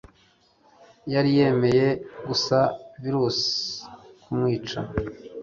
yari yemeye gusa virusi kumwica